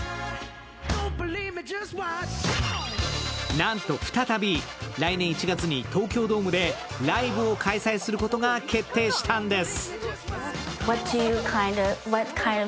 なんと再び、来年１月に東京ドームでライブを開催することが決定したんです。